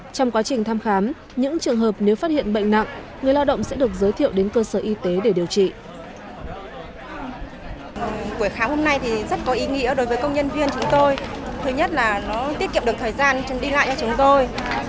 trong quá trình thăm khám những trường hợp nếu phát hiện bệnh nặng người lao động sẽ được giới thiệu đến cơ sở y tế để điều trị